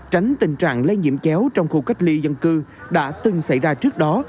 tránh tình trạng lây nhiễm chéo trong khu cách ly dân cư đã từng xảy ra trước đó